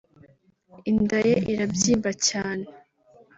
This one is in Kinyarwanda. inda ye irabyimba cyane